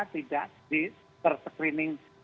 tidak di ter screening